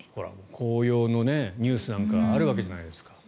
紅葉のニュースなんかあるわけじゃないですか。